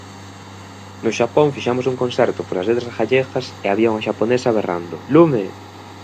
No Xapón fixemos un concerto polas Letras Galegas e había unha xaponesa berrando "lume!".